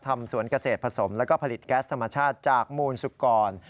ทำสวนเกษตรผสมแล้วก็ผลิตแก๊สธรรมชาติจากมูลสุกร